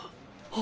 あ。